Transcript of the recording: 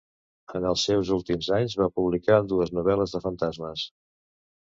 En els seus últims anys, va publicar dues novel·les de fantasmes.